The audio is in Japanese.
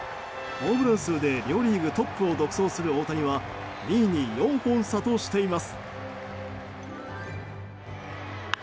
ホームラン数で両リーグトップを独走する大谷は２位に４本差としています。